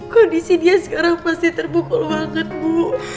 kondisi dia sekarang pasti terpukul banget bu